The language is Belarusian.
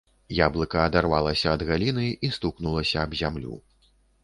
Яблыка адарвалася ад галіны і стукнулася аб зямлю.